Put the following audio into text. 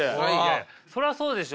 それはそうでしょ。